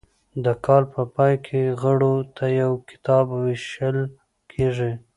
د کال په پای کې غړو ته یو کتاب ویشل کیږي.